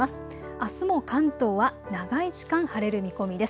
あすも関東は長い時間、晴れる見込みです。